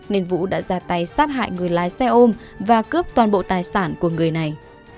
nên vũ đã ra tay sát hại người lái xe ôm và cướp toàn bộ tài sản của người này